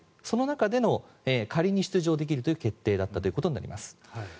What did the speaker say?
その中での仮に出場できるという決定だったということになります。